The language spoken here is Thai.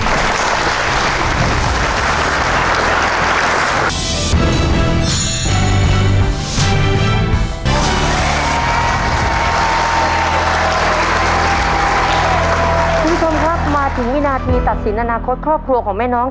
คุณผู้ชมครับมาถึงวินาทีตัดสินอนาคตครอบครัวของแม่น้อง